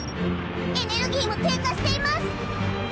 エネルギーも低下しています！